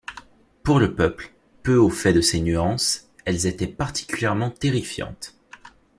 Pour le peuple, peu au fait de ces nuances, elles étaient particulièrement terrifiantes.